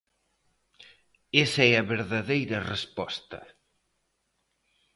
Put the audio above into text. Esa é a verdadeira resposta.